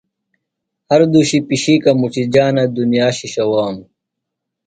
ہر دُشی پِشِیکہ مُچِجانہ۔ دنیا شِشہ وانوۡ۔